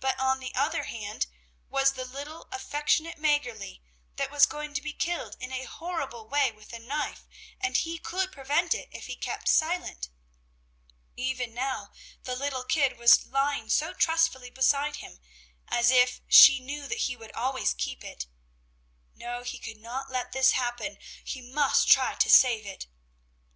But on the other hand was the little, affectionate Mäggerli, that was going to be killed in a horrible way with a knife, and he could prevent it if he kept silent. Even now the little kid was lying so trustfully beside him, as if, she knew that he would always keep it; no, he could not let this happen, he must try to save it.